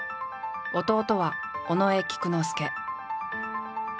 弟は尾上菊之助。